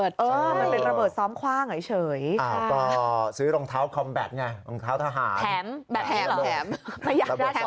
แถมไม่ได้ฝึกคว่างด้วย